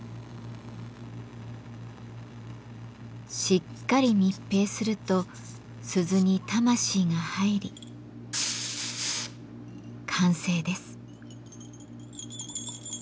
しっかり密閉すると鈴に魂が入り完成です。